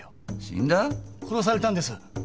死んだ⁉殺されたんです！